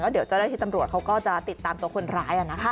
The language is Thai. เดี๋ยวเจ้าหน้าที่ตำรวจเขาก็จะติดตามตัวคนร้ายนะคะ